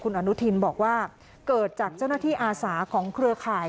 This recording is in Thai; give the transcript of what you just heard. อนุทินบอกว่าเกิดจากเจ้าหน้าที่อาสาของเครือข่าย